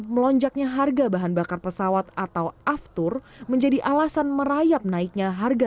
melonjaknya harga bahan bakar pesawat atau aftur menjadi alasan merayap naiknya harga